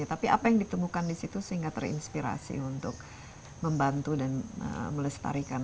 tapi apa yang ditemukan di situ sehingga terinspirasi untuk membantu dan melestarikan